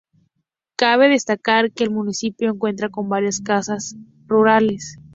Cabe destacar que el municipio cuenta con varias casas rurales.